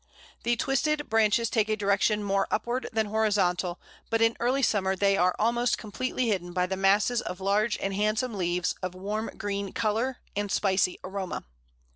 The twisted branches take a direction more upward than horizontal, but in early summer they are almost completely hidden by the masses of large and handsome leaves of warm green colour and spicy aroma.